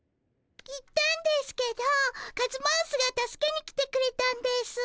行ったんですけどカズマウスが助けに来てくれたんですぅ。